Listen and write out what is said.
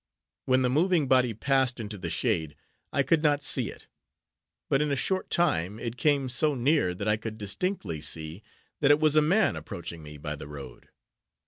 When the moving body passed into the shade, I could not see it; but in a short time, it came so near that I could distinctly see that it was a man, approaching me by the road.